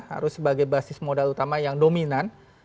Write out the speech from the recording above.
harus sebagai basis modal utama yang dominan